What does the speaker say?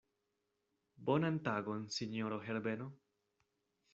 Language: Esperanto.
Bonan tagon, sinjoro Herbeno.